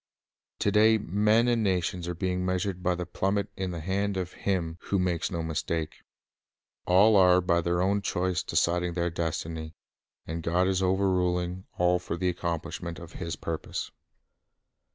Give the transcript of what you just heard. To day men and nations are being measured by the plummet in the hand of Him who makes no mistake. All are by their own choice deciding their destiny, and God is overruling all for the accomplishment of His purposes.